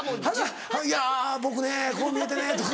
「いや僕ねこう見えてね」とか。